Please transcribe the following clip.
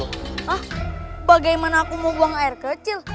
hah bagaimana aku mau buang air kecil